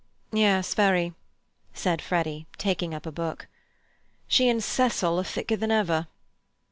"Yes, very," said Freddy, taking up a book. "She and Cecil are thicker than ever."